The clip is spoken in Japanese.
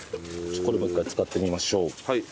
これも一回使ってみましょう。